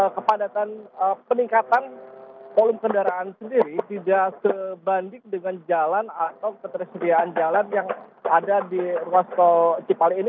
kepadatan peningkatan volume kendaraan sendiri tidak sebanding dengan jalan atau ketersediaan jalan yang ada di ruas tol cipali ini